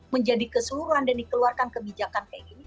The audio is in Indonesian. menjadi keseluruhan dan dikeluarkan kebijakan kayak gini